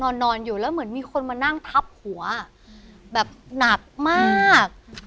นอนอยู่แล้วเหมือนมีคนมานั่งทับหัวแบบหนักมาก